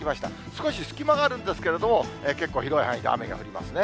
少し隙間があるんですけども、結構、広い範囲で雨が降りますね。